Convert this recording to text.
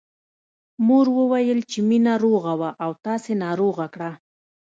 مور وويل چې مينه روغه وه او تاسې ناروغه کړه